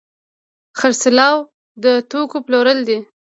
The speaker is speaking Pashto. خرڅلاو د توکو پلورل دي.